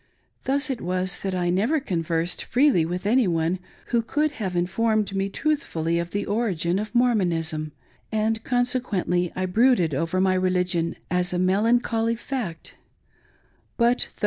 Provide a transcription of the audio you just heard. Thus it was that I never conversed freely with any one who could have informed me truthfully of the origin of Mormonism, and Consequently I brooded over my religion as a melancholy fact ; but, though MY HUSBANDS SECOND MARRIAGE.